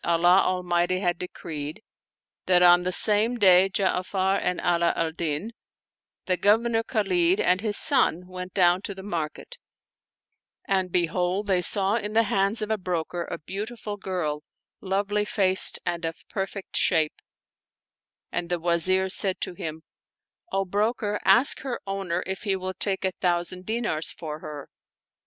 136 Calamity Ahmad and Hahzalam Bazazah mighty had decreed, that on the same day Ja'afar and Ala al Din, the Governor Khalid and his son went down to thp market, and behold, they saw in the hands of a broker a beautiful girl, lovely faced and of perfect shape, and the Wazir said to him, "O broker, ask her owner if he will take a thousand dinars for her."